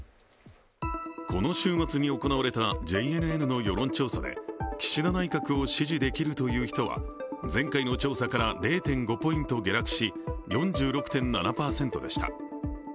この週末に行われたＪＮＮの世論調査で岸田内閣を支持できるという人は前回の調査から０．５ポイント下落し４６．７％でした。